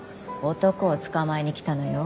男を捕まえに来たのよ。